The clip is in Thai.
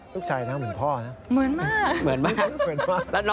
ลูกชายน่ะเหมือนพ่อนะครับ